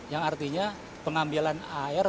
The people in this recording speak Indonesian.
yang artinya pengambilan air